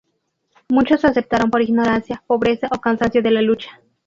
Muchos aceptaron por ignorancia, pobreza o cansancio de la lucha.